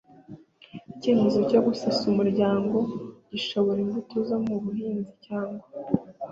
Icyemezo cyo gusesa umuryango gishobora imbuto zo mu buhinzi cyangwa